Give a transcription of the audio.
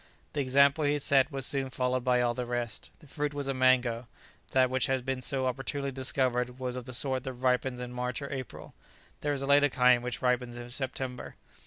The example he set was soon followed by all the rest. The fruit was a mango; that which had been so opportunely discovered was of the sort that ripens in March or April; there is a later kind which ripens in September.